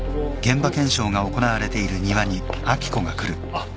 あっ。